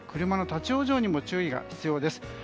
車の立ち往生にも注意が必要です。